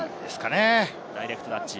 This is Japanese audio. ダイレクトタッチ。